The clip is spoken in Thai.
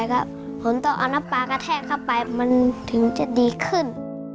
ก็ผลต้องเอาน้ำปลากระแทกเข้าไปมันถึงจะดีขึ้น